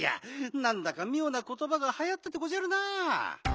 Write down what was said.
なんだかみょうなことばがはやったでごじゃるな。